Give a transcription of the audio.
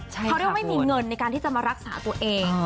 เขาเรียกว่าไม่มีเงินในการที่จะมารักษาตัวเอง